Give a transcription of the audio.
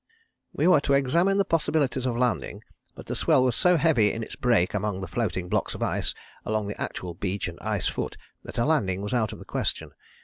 "We were to examine the possibilities of landing, but the swell was so heavy in its break among the floating blocks of ice along the actual beach and ice foot that a landing was out of the question.